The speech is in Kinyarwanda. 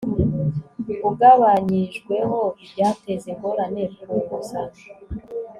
ugabanyijweho ibyateza ingorane ku nguzanyo